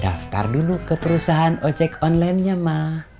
daftar dulu ke perusahaan ojek online nya mah